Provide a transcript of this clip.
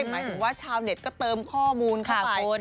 หมายถึงว่าชาวเน็ตก็เติมข้อมูลเข้าไป